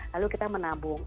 lalu kita menabung